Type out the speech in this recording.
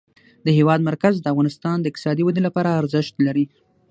د هېواد مرکز د افغانستان د اقتصادي ودې لپاره ارزښت لري.